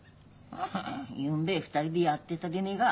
ああゆんべ２人でやっでたでねえが。